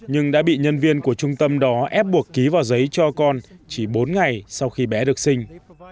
nhưng đã bị nhân viên của trung tâm đó ép buộc ký vào giấy cho con chỉ bốn ngày sau khi bé được sinh